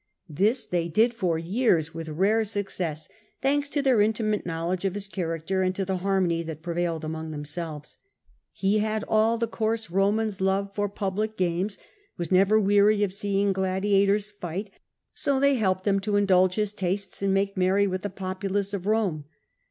This they did for years with rare success, thanks to hisfrecd their intimate knowledge of his character and * to the harmony that prevailed among themselves. He had all the coarse Roman's love for public games, was never weary of seeing gladiators fight ; so they amused with helped him to indulge his tastes and make spectacles merry with the populace of Rome.